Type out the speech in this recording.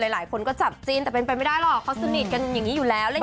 หลายคนก็จับจินแต่เป็นไปไม่ได้หรอกเขาสนิทกันอย่างนี้อยู่แล้ว